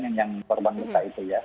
yang korban luka itu ya